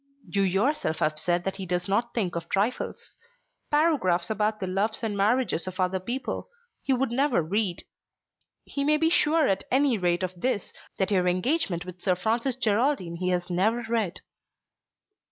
"You yourself have said that he does not think of trifles. Paragraphs about the loves and marriages of other people he would never read. You may be sure at any rate of this, that your engagement with Sir Francis Geraldine he has never read."